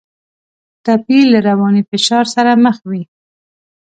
ټپي له رواني فشار سره مخ وي.